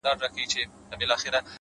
هغه نجلۍ چي هر ساعت به یې پوښتنه کول؛